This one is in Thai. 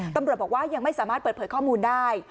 ตำรวจบอกว่ายังไม่สามารถเปิดเผยข้อมูลได้